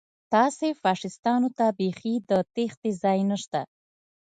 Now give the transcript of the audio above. تاسې فاشیستانو ته بیخي د تېښتې ځای نشته